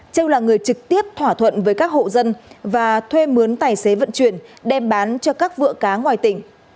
châu là người trực tiếp thỏa thuận với các hộ dân và thuê mướn tài xế vận chuyển đem bán cho các vựa cá ngoài tỉnh